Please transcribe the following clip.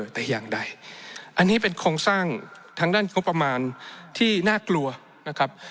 แต่อย่างใดอันนี้เป็นโครงสร้างทางด้านงบประมาณที่น่ากลัวนะครับ